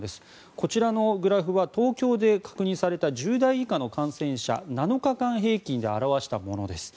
こちらのグラフは東京で確認された１０代以下の感染者を７日間平均で表したものです。